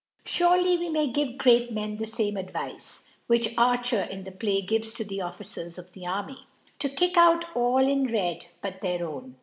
Surely we may give Great Men the fame Advice, which Arch&^ in the Play, gives to the Officers of the Army ; Tt? kick out all in Red but their own.